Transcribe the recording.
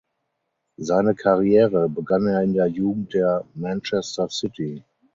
Seine Karriere begann er in der Jugend der Manchester City.